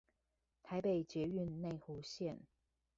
臺北捷運內湖線